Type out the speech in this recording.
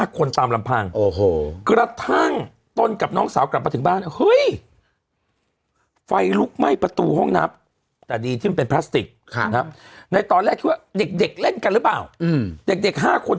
กระทั่งตนกับน้องสาวกลับมาถึงบ้าน